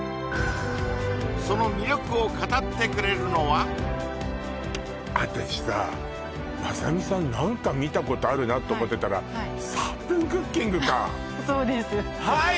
その魅力を語ってくれるのは私さまさみさん何か見たことあるなと思ってたらそうですはい